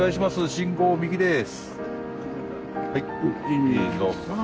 信号を右です。